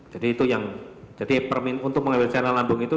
jadi itu yang untuk mengambil cairan lambung itu